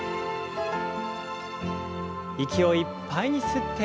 息をいっぱいに吸って。